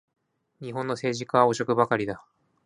日本の政治家は汚職ばかりだ